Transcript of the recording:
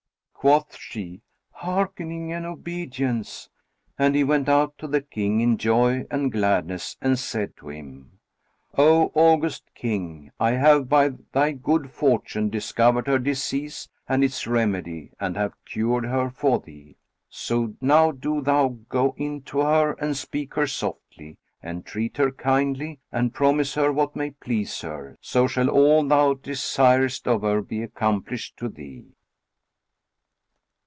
Quoth she, "Hearkening and obedience;" and he went out to the King in joy and gladness, and said to him, "O august King, I have, by thy good fortune, discovered her disease and its remedy, and have cured her for thee. So now do thou go in to her and speak her softly and treat her kindly, and promise her what may please her; so shall all thou desirest of her be accomplished to thee."